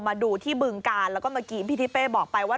มาดูที่บึงกาลแล้วก็เมื่อกี้พี่ทิเป้บอกไปว่า